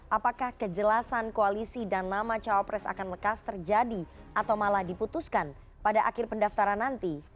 apakah kejelasan koalisi dan nama cawapres akan lekas terjadi atau malah diputuskan pada akhir pendaftaran nanti